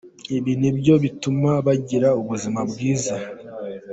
Ibi ni byo bituma bagira ubuzima bwiza.